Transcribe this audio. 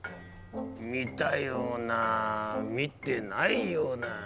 見たような見てないような。